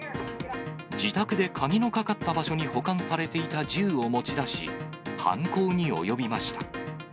自宅で鍵のかかった場所に保管されていた銃を持ち出し、犯行に及びました。